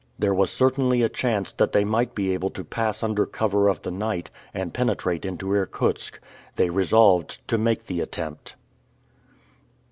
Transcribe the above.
There was certainly a chance that they might be able to pass under cover of the night, and penetrate into Irkutsk. They resolved to make the attempt.